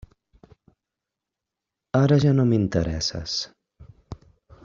Ara ja no m'interesses.